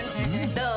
どう？